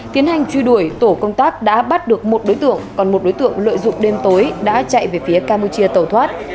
tiến hành truy đuổi tổ công tác đã bắt được một đối tượng còn một đối tượng lợi dụng đêm tối đã chạy về phía campuchia tàu thoát